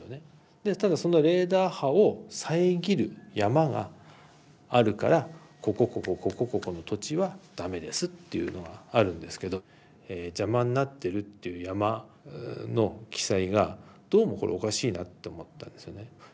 でただそのレーダー波を遮る山があるからここここここここの土地は駄目ですっていうのがあるんですけど邪魔になってるっていう山の記載がどうもこれおかしいなって思ったんですよね。